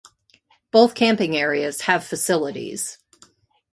Both camping areas have facilities.